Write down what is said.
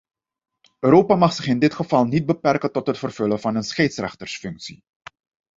Europa mag zich in dit geval niet beperken tot het vervullen van een scheidsrechtersfunctie.